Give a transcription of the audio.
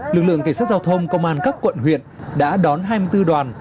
lực lượng cảnh sát giao thông công an các quận huyện đã đón hai mươi bốn đoàn